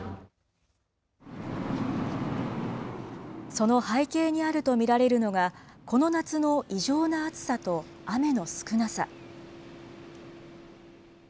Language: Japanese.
その背景にあると見られるのが、この夏の異常な暑さと雨の少なさ。